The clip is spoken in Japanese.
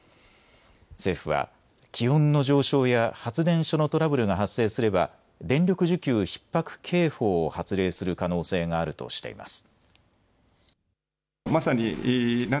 政府は気温の上昇や発電所のトラブルが発生すれば電力需給ひっ迫警報を発令する可能性があるとしています。